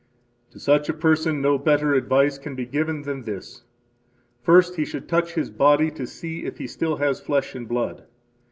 To such a person no better advice can be given than this: first, he should touch his body to see if he still has flesh and blood.